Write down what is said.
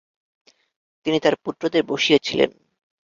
তিনি তার পুত্রদের বসিয়েছিলেন।